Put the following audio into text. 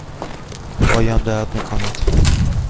پایم درد می کند.